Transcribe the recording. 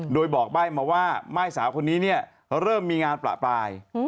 โดยบอกใบ้มาว่าม่ายสาวคนนี้เนี่ยเริ่มมีงานประปราย